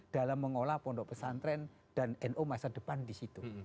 dalam mengolah pondok pesantren dan no masa depan di situ